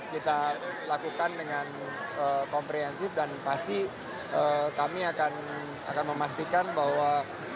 kita lakukan dengan komprehensif dan pasti kami akan memastikan bahwa